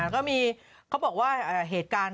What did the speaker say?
ก็มีเขาบอกว่าเหตุการณ์